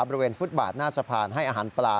ฟุตบาทหน้าสะพานให้อาหารปลา